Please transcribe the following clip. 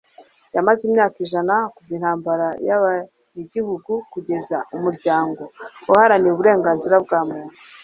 yamaze imyaka ijana kuva Intambara y'abenegihugu kugeza umuryango uharanira uburenganzira bwa muntu